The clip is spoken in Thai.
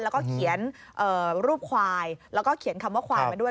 แล้วก็เขียนรูปควายแล้วก็เขียนคำว่าควายมาด้วย